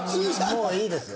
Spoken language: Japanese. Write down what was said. もういいです。